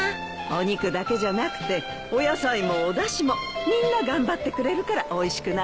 お肉だけじゃなくてお野菜もおだしもみんな頑張ってくれるからおいしくなるんだよ。